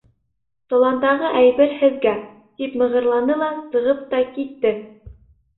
Соландағы әйбер һеҙгә, - тип мығырланы ла сығып та китте.